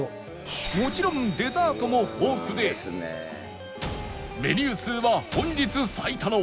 もちろんデザートも豊富でメニュー数は本日最多の